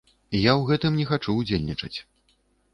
Я ў гэтым не хачу ўдзельнічаць.